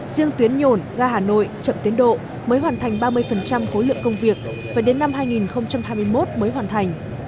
riêng tuyến nhồn ga hà nội chậm tiến độ mới hoàn thành ba mươi khối lượng công việc và đến năm hai nghìn hai mươi một mới hoàn thành